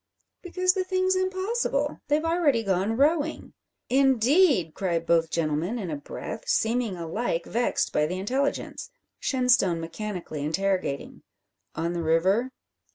"Because the thing's impossible; they've already gone rowing." "Indeed!" cry both gentlemen in a breath, seeming alike vexed by the intelligence, Shenstone mechanically interrogating: "On the river?"